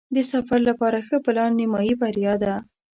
د سفر لپاره ښه پلان نیمایي بریا ده.